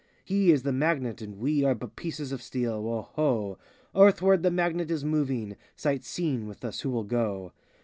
He is the magnet and we Are but pieces of steel: woh ho! Earthward the Magnet is moving!— Sight seeing with us, who will go?